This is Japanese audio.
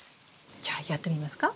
じゃあやってみますか？